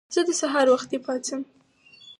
زه د سهار وختي پاڅم.